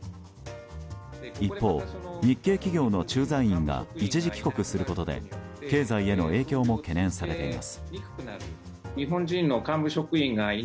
一方、日系企業の駐在員が一時帰国することで経済への影響も懸念されています。